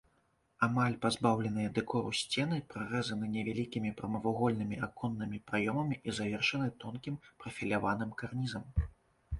Амаль пазбаўленыя дэкору сцены прарэзаны невялікімі прамавугольнымі аконнымі праёмамі і завершаны тонкім прафіляваным карнізам.